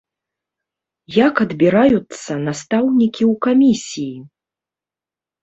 Як адбіраюцца настаўнікі ў камісіі?